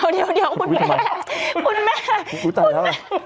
เดี๋ยวคุณแม่